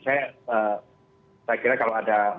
saya kira kalau ada